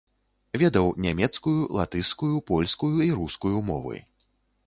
Ведаў нямецкую, латышскую, польскую і рускую мовы.